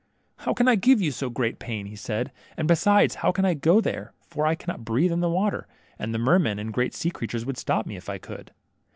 How can I give you so great pain," he said, ^^and besides, how can I go there, for I cannot breathe in the water, and the mermen and great sea » creatures would stop me, if I could."